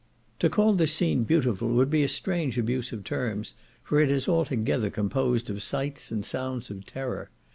To call this scene beautiful would be a strange abuse of terms, for it is altogether composed of sights and sounds of terror.